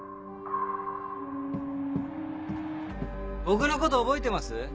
僕のこと覚えてます？